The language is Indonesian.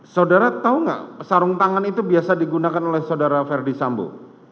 saudara tahu nggak sarung tangan itu biasa digunakan oleh saudara verdi sambo